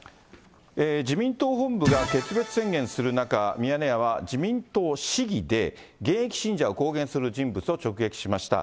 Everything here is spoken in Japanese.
自民党本部が決別宣言する中、ミヤネ屋は自民党市議で、現役信者を公言する人物を直撃しました。